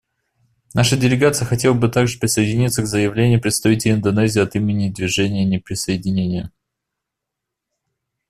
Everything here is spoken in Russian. Наша делегация хотела бы также присоединиться к заявлению представителя Индонезии от имени Движения неприсоединения.